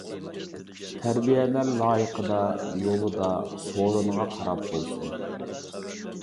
تەربىيەلەر لايىقىدا، يولىدا، سورۇنىغا قاراپ بولسۇن.